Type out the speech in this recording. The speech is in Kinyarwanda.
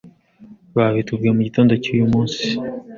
babitubwiye mu gitondo cy,uyu munsi.